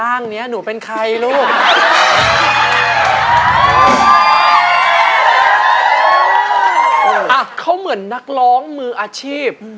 เขาเหมือนนักร้องมืออาชีพ